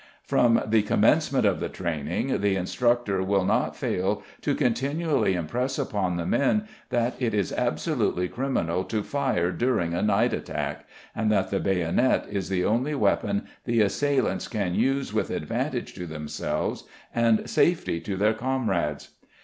From the commencement of the training the instructor will not fail to continually impress upon the men that it is absolutely criminal to fire during a night attack, and that the bayonet is the only weapon the assailants can use with advantage to themselves and safety to their comrades.